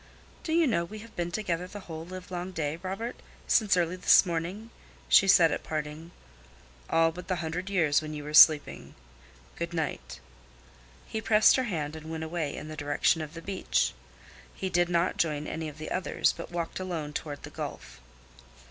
"Do you know we have been together the whole livelong day, Robert—since early this morning?" she said at parting. "All but the hundred years when you were sleeping. Good night." He pressed her hand and went away in the direction of the beach. He did not join any of the others, but walked alone toward the Gulf.